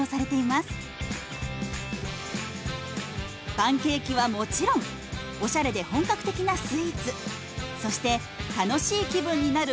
パンケーキはもちろんおしゃれで本格的なスイーツそして楽しい気分になる